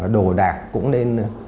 đồ đạc cũng nên